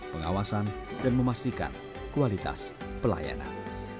pengawasan dan memastikan kualitas pelayanan